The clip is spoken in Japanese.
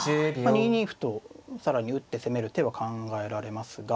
２二歩と更に打って攻める手は考えられますが。